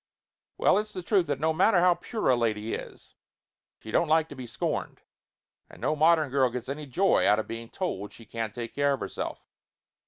Well, it's the truth that no matter how pure a lady is, she don't like to be scorned. And no modern girl gets any joy out of being told she can't take care of herself.